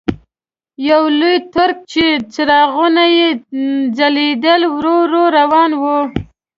یو لوی ټرک چې څراغونه یې ځلېدل ورو ورو روان و.